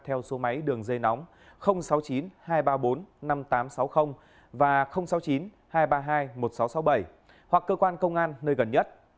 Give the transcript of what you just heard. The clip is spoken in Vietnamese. theo số máy đường dây nóng sáu mươi chín hai trăm ba mươi bốn năm nghìn tám trăm sáu mươi và sáu mươi chín hai trăm ba mươi hai một nghìn sáu trăm sáu mươi bảy hoặc cơ quan công an nơi gần nhất